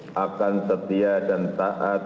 kita akan setia dan taat